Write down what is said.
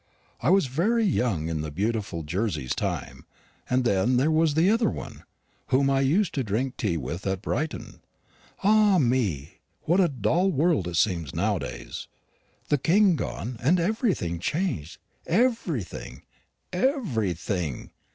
I was very young in the beautiful Jersey's time; and then there was the other one whom I used to drink tea with at Brighton. Ah me! what a dull world it seems nowadays! The King gone, and everything changed everything everything!